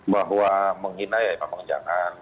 bahwa menghina ya memang jangan